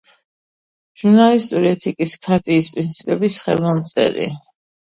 ჟურნალისტური ეთიკის ქარტიის პრინციპების ხელმომწერი.